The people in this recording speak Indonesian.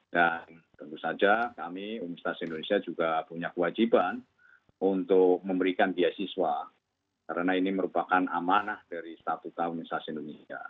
dan tentu saja kami universitas indonesia juga punya kewajiban untuk memberikan biasiswa karena ini merupakan amanah dari statuta universitas indonesia